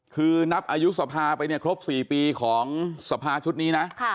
คือนับอายุสภาไปเนี่ยครบ๔ปีของสภาชุดนี้นะ